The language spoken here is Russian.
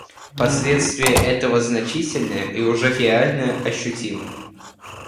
Последствия этого значительны и уже реально ощутимы.